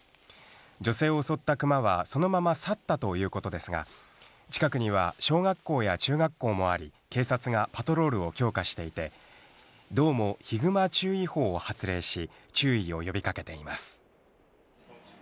女性を襲ったクマは、そのまま去ったということですが、近くには小学校や中学校もあり、警察がパトロールを強化していて、道も、ヒグマ注意報を発令し、注意を呼びかけています。